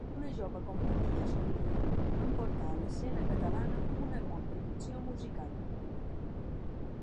Una jove companyia somia amb portar a l’escena catalana una gran producció musical.